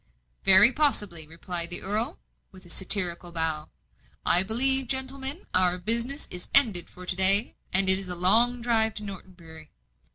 "Very possibly," replied the earl, with a satirical bow. "I believe, gentlemen, our business is ended for to day, and it is a long drive to Norton Bury.